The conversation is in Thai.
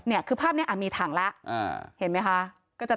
นี่คือภาพนี้มีถังละเห็นไหมค่ะ